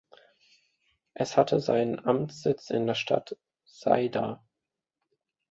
Es hatte seinen Amtssitz in der Stadt Sayda.